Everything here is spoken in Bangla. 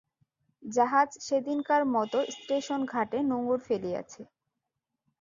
জাহাজ সেদিনকার মতো স্টেশন-ঘাটে নোঙর ফেলিয়াছে।